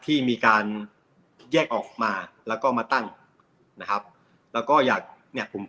ที่มีการแยกออกมาแล้วก็มาตั้งนะครับแล้วก็อยากเนี่ยผม